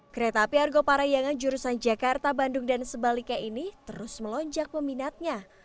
kereta api argo parayangan jurusan jakarta bandung dan sebaliknya ini terus melonjak peminatnya